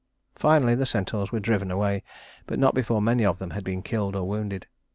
Finally the centaurs were driven away, but not before many of them had been killed or wounded.